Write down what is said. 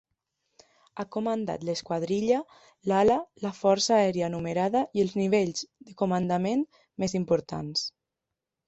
Ha comandat l'esquadrilla, l'ala, la força aèria numerada i els nivells de comandament més importants.